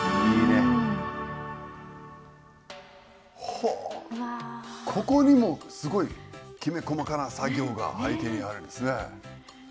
ほうここにもすごいきめ細かな作業が背景にあるんですね。